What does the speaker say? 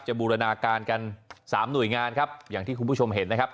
บูรณาการกันสามหน่วยงานครับอย่างที่คุณผู้ชมเห็นนะครับ